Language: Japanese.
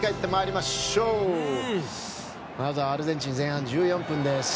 まずはアルゼンチン前半１４分です。